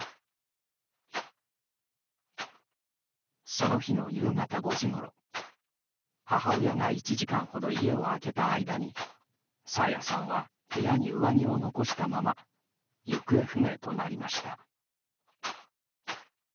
その日の夕方５時ごろ母親が１時間ほど家を空けた間に爽彩さんは部屋に上着を残したまま行方不明となりました。